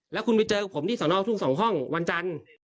แล้วคุณไปเจอกับผมที่สนทุ่ง๒ห้องวันจันทร์